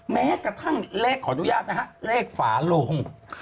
แม้กระทั่งเลขขออนุญาตนะฮะเลขฝาโลง